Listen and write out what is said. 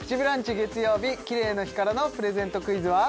月曜日キレイの日からのプレゼントクイズは？